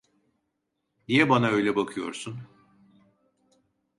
Niye bana öyle bakıyorsun?